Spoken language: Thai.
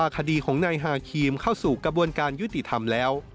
คดีของนายฮาครีมเข้าสู่กระบวนการยุติธรรมแล้ว